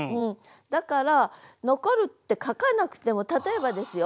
だから「残る」って書かなくても例えばですよ